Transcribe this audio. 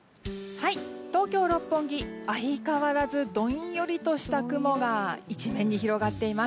東京・六本木相変わらずどんよりとした雲が一面に広がっています。